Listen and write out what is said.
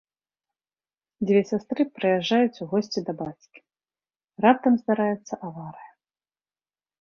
Дзве сястры прыязджаюць у госці да бацькі, раптам здараецца аварыя.